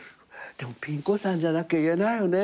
でもピン子さんじゃなきゃ言えないよね。